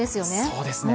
そうですね。